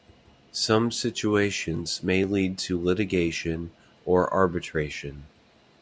Some situations may lead to litigation or arbitration.